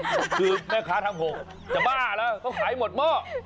คือแม่ค้าทำ๖จะบ้าแล้วเขาขายหมดหม้อ